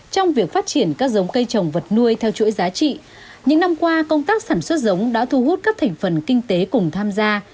trong việc phát triển các giống cây trồng vật nuôi theo chuỗi giá trị những năm qua công tác sản xuất giống đã thu hút các thành phần kinh tế cùng tham gia